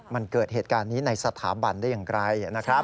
มันเกิดเหตุการณ์นี้ในสถาบันได้อย่างไรนะครับ